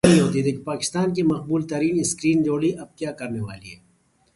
پاکستان کی مقبول ترین اسکرین جوڑی اب کیا کرنے والی ہے